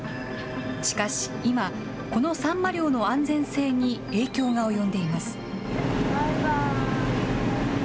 しかし、今、このサンマ漁の安全性に影響が及んでいます。